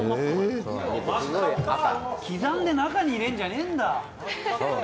刻んで中に入れるんじゃねぇんだ。